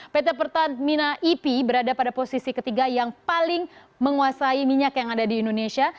pt pertamina ip berada pada posisi ketiga yang paling menguasai minyak yang ada di indonesia